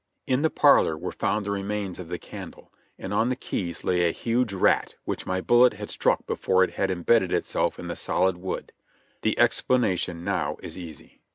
In the parlor were found the remains of the candle, and on the keys lay a huge rat which my bullet had struck before it had em bedded itself in the solid wood. The explanation now is easy.